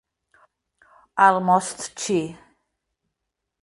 Almost Che